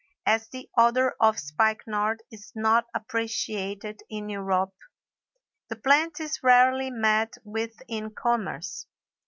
As the odor of spikenard is not appreciated in Europe, the plant is rarely met with in commerce.